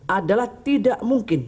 adalah tidak mungkin